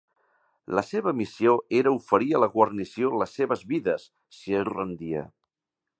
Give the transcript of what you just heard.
La seva missió era oferir a la guarnició les seves vides, si es rendia.